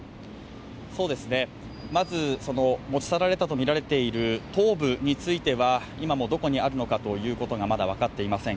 まず持ち去られたとみられている頭部については今もどこにあるのかということがまだ分かっていません